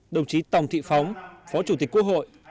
đồng chí tòng thị phóng phó chủ tịch quốc hội